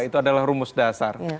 itu adalah rumus dasar